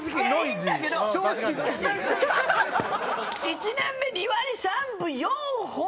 １年目２割３分４本ノイジー。